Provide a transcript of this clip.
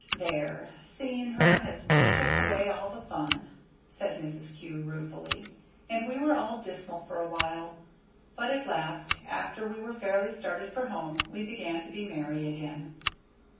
There! seeing her has took away all the fun," said Mrs. Kew ruefully; and we were all dismal for a while, but at last, after we were fairly started for home, we began to be merry again.